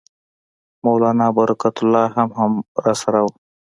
مولنا برکت الله هم راسره وو.